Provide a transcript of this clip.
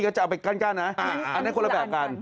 จะเอาไปกั้นนะอันนั้นคนละแบบกัน